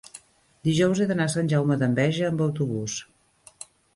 dijous he d'anar a Sant Jaume d'Enveja amb autobús.